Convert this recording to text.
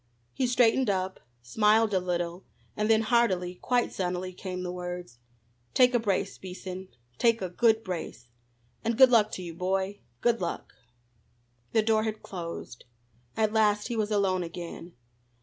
He straightened up, smiled a little, and then heartily, quite sunnily, came the words: "Take a brace, Beason take a good brace. And good luck to you, boy good luck." The door had closed. At last he was alone again.